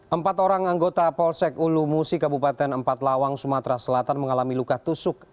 empat orang anggota polsek ulu musi kabupaten empat lawang sumatera selatan mengalami luka tusuk